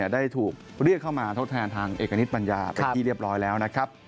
ได้ถูกเรียกเข้ามาทดแทนทางเอกณิตปัญญาเป็นที่เรียบร้อยแล้วนะครับ